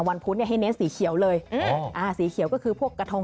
วันพุธให้เน้นสีเขียวเลยสีเขียวก็คือพวกกระทง